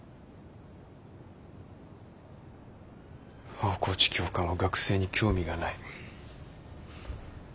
大河内教官は学生に興味がない。